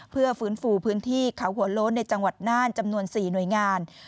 เพื่อฟื้นฟูพื้นที่เขาหัวโล้นในจังหวัดน่านจำนวน๔หน่วยงาน